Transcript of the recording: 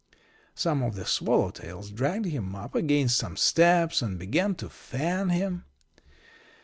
"Some of the swallowtails dragged him up against some steps and began to fan him.